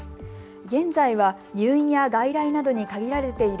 現在は入院や外来などに限られている